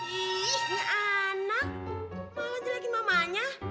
ih gak anak malah jelekin mamanya